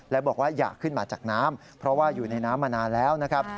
และบอกว่าอยากขึ้นมาจากน้ำเพราะว่าอยู่ในน้ำมานานแล้วนะครับ